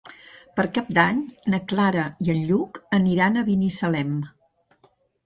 Per Cap d'Any na Clara i en Lluc aniran a Binissalem.